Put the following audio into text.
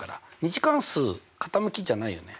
２次関数傾きじゃないよね。